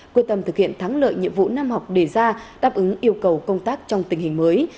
quyết tâm thực hiện thắng lợi nhiệm vụ năm học đề ra đáp ứng yêu cầu công tác trong tình hình mới